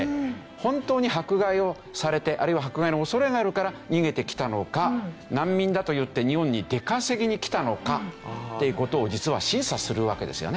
本当に迫害をされてあるいは迫害の恐れがあるから逃げてきたのか難民だと言って日本に出稼ぎに来たのかっていう事を実は審査するわけですよね。